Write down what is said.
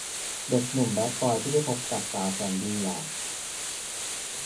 เด็กหนุ่มแบดบอยที่ได้พบกับสาวแสนดีอย่าง